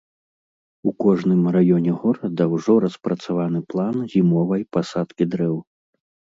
У кожным раёне горада ўжо распрацаваны план зімовай пасадкі дрэў.